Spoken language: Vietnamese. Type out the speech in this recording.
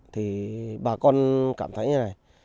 thì bà con cảm thấy như thế này